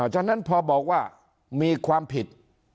ฉะนั้นพอบอกว่ามีความผิด